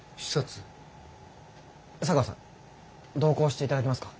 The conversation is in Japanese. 茶川さん同行していただけますか？